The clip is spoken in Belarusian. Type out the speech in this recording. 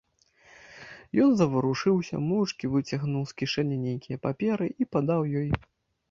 Ён заварушыўся, моўчкі выцягнуў з кішэні нейкія паперы і падаў ёй.